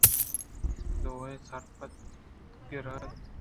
دوئیں سربہ گر اِت